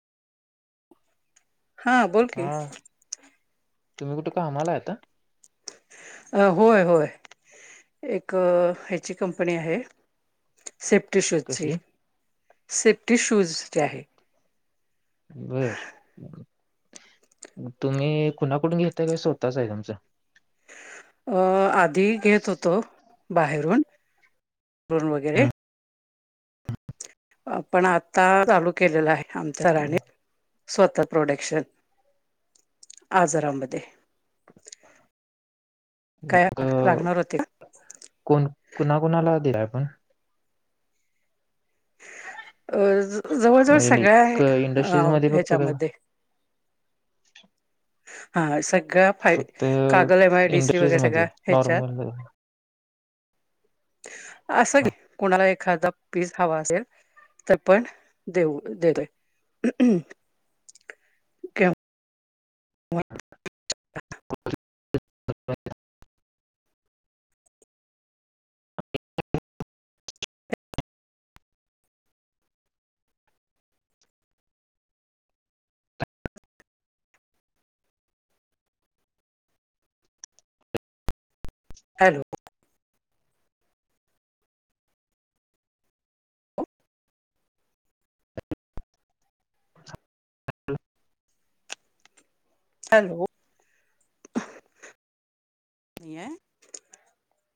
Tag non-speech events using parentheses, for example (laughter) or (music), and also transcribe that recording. हा बोल कि. हा तुम्ही कुठं कामाला हायता? अ होय होय एक ह्याची कंपनी आहे. सेफ्टी कसली (unintelligible) सेफ्टी शूज ची आहे. बर तुम्ही कुणाकुडून घेताय काय स्वतःच आहे तुमचं? अं आधी घेत होतो बाहेरून (unintelligible) वगैरे हम्म. अ पण आता चालू केलेलं आहे. आमच्या राने स्वतः प्रोडक्शन आजारांमध्ये काय अ, लागणार होते काय? कोण कुणाकुणाला दिला आपण? अ जवळ जवळ सगळ्या इंडस्ट्रीज मध्ये फक्त का ह्याच्यामध्ये. (unintelligible) हा सांग. फक्त Kagal M I D C industries वगैरे मध्ये सगळ्या ह्याच्यात नॉर्मल ह असल कोणाला एक एखादा पीस हवा असेल तर पण देऊ दे. (unintelligible) हॅलो हॅलो काय